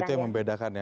itu yang membedakan ya